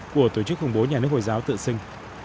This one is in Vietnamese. của tổ chức khủng bố nhà nước hồi giáo tự xưng